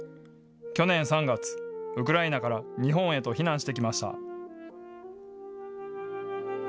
去年３月、ウクライナから日本へと避難してきました。